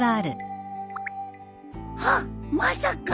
あっまさか！